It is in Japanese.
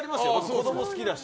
子供好きだし。